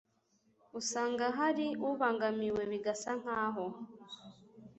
usanga hari ubangamiwe bigasa nk'aho